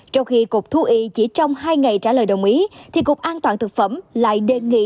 trong khi cục thú y chỉ trong hai ngày trả lời đồng ý thì cục an toàn thực phẩm lại đề nghị